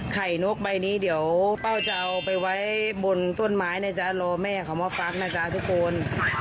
นกใบนี้เดี๋ยวเป้าจะเอาไปไว้บนต้นไม้นะจ๊ะรอแม่เขามาฟักนะจ๊ะทุกคน